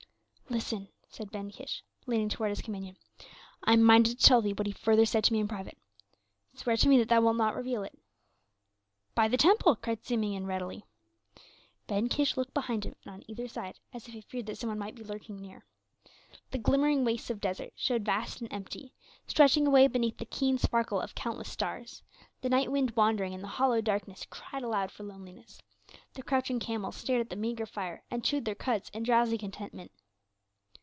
"Listen," said Ben Kish, leaning toward his companion, "I am minded to tell thee what he further said to me in private. Swear to me that thou wilt not reveal it?" "By the temple!" cried Simeon readily. Ben Kish looked behind him and on either side as if he feared that some one might be lurking near. The glimmering wastes of desert showed vast and empty, stretching away beneath the keen sparkle of countless stars; the night wind wandering in the hollow darkness cried aloud for loneliness; the crouching camels stared at the meagre fire and chewed their cuds in drowsy contentment.